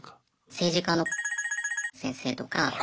政治家の先生とか。